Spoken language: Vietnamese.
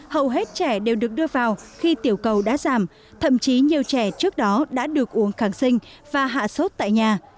hầu hết trẻ đều được đưa vào khi tiểu cầu đã giảm thậm chí nhiều trẻ trước đó đã được uống kháng sinh và hạ sốt tại nhà